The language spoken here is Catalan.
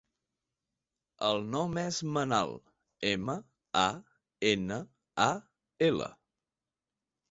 El nom és Manal: ema, a, ena, a, ela.